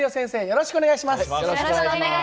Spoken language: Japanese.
よろしくお願いします！